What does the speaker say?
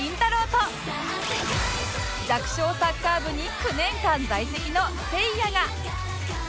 と弱小サッカー部に９年間在籍のせいやが